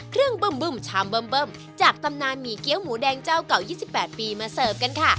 เครื่องบึ้มชามเบิ้มจากตำนานหมี่เกี้ยวหมูแดงเจ้าเก่า๒๘ปีมาเสิร์ฟกันค่ะ